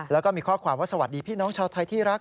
แล้วก็มีข้อความว่าสวัสดีพี่น้องชาวไทยที่รัก